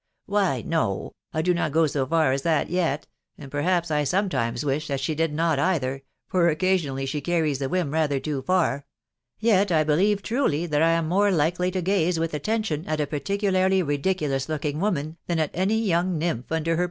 " Why, no .... I do not go so far as that yet, and perhaps I sometimes wish that she did not either, for occasionally she carries the whim rather too far ; yet I teller \x\&"j ta&\ «ssv more likely to gaze with attention at a ^wrticsiXtt^ ^&s?&ss*s« u 8 «C6 locking woman thM aty ya*ng nymph *atider far